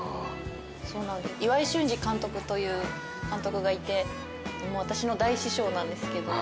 岩井俊二監督という監督がいて私の大師匠なんですけど。